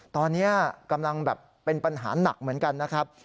ตอนนี้กำลังแบบเป็นปัญหาหนักเหมือนกันนะครับ